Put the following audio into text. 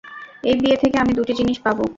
এই বিয়ে থেকে, আমি দুটি জিনিস পাবো।